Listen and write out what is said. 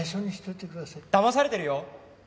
だまされてるよ。